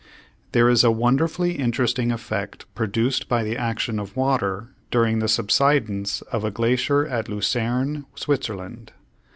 There is a wonderfully interesting effect produced by the action of water during the subsidence of a glacier at Lucerne, Switzerland.